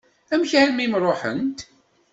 Amek armi i m-ṛuḥent?